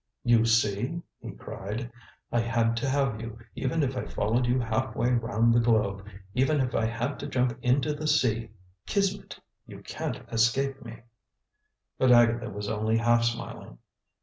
"You see!" he cried. "I had to have you, even if I followed you half way round the globe; even if I had to jump into the sea. Kismet you can't escape me!" But Agatha was only half smiling.